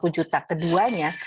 lima puluh juta keduanya